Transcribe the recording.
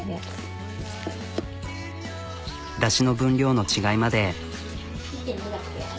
ダシの分量の違いまで。